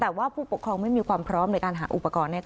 แต่ว่าผู้ปกครองไม่มีความพร้อมในการหาอุปกรณ์